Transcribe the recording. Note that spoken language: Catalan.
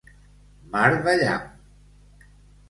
Mar de llamp.